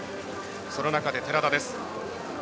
その中で、寺田です。